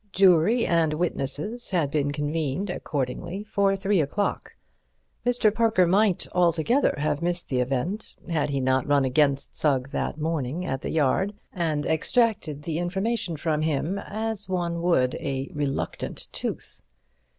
Jury and witnesses had been convened accordingly for three o'clock. Mr. Parker might altogether have missed the event, had he not run against Sugg that morning at the Yard and extracted the information from him as one would a reluctant tooth.